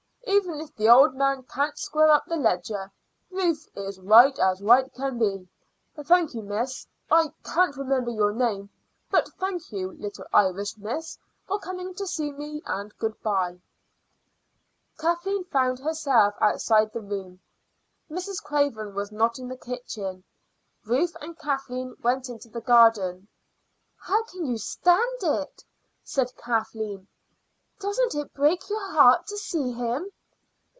Even if the old man can't square up the ledger, Ruth is as right as right can be. Thank you, Miss I can't remember your name but thank you, little Irish miss, for coming to see me; and good bye." Kathleen found herself outside the room. Mrs. Craven was not in the kitchen. Ruth and Kathleen went into the garden. "How can you stand it?" said Kathleen. "Doesn't it break your heart to see him?"